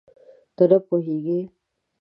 ته نه پوهېږې؟